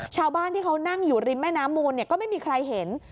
ชาวบ้านที่เขานั่งอยู่ริมแม่น้ำมูลก็ไม่มีใครเห็น